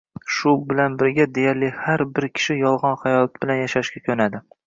shu bilan birga, deyarli har bir kishi “yolg‘on hayot” bilan yashashga ko‘nadi